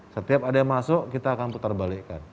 setiap ada yang masuk kita akan putar balikan